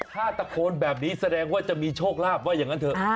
ถ้าตะโคนแบบนี้แสดงว่าจะมีโชคลาภว่าอย่างนั้นเถอะ